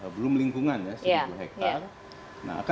belum lingkungan ya seribu hektare